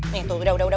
nih tuh udah udah udah